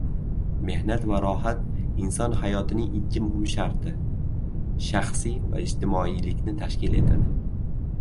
Mehnat va rohat inson hayotining ikki muhim sharti — shaxsiy va ijtimoiylikni tashkil etadi.